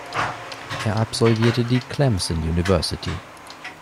Er absolvierte die Clemson University.